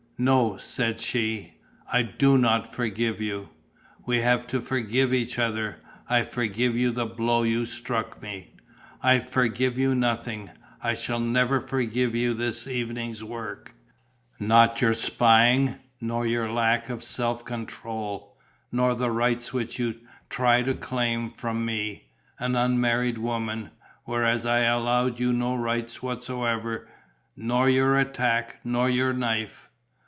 "No," said she, "I do not forgive you." "We have to forgive each other. I forgive you the blow you struck me." "I forgive you nothing. I shall never forgive you this evening's work: not your spying, nor your lack of self control, nor the rights which you try to claim from me, an unmarried woman whereas I allow you no rights whatever nor your attack, nor your knife."